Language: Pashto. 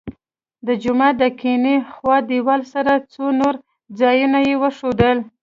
د جومات د کیڼې خوا دیوال سره څو نور ځایونه یې وښودل.